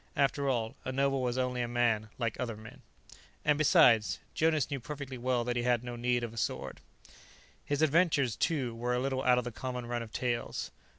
After all, a noble was only a man like other men. And, besides, Jonas knew perfectly well that he had no need of a sword. His adventures, too, were a little out of the common run of tales.